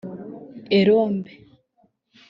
Elombe